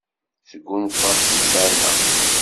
Sgunfaɣ ssmana.